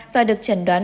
và được trần đoán